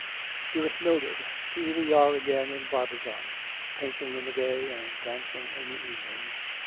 'DEAREST MILDRED, Here we are again in Barbizon, painting in the day and dancing in the evening.